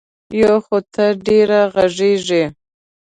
یو خو ته ډېره غږېږې.